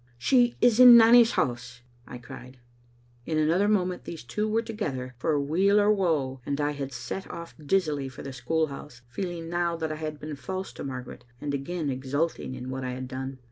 " She is in. Nanny's house," I cried. In another moment these two were together for weal or woe, and I had set off dizzily for the school house, feeling now that I had been false to Margaret, and again exulting in what I had done.